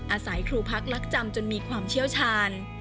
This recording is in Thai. อาศัยครูพักลักจำจนมีความเชี่ยวชาญ